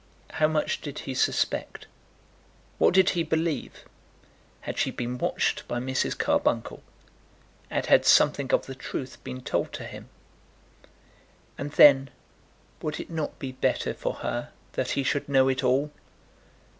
How much did he suspect? What did he believe? Had she been watched by Mrs. Carbuncle, and had something of the truth been told to him? And then would it not be better for her that he should know it all?